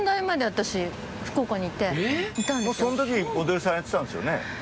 そん時モデルさんやってたんですよね。